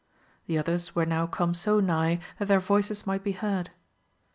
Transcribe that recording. The others were now come so nigh that their voices might be heard.